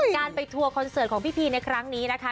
การไปทัวร์คอนเสิร์ตของพี่พีในครั้งนี้นะคะ